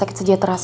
ada orang di depan